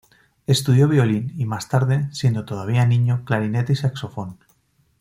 Estudió violín y más tarde, siendo todavía niño, clarinete y saxofón.